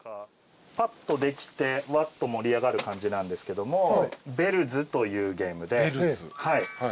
パッとできてワッと盛り上がる感じなんですけども『ベルズ』というゲームで。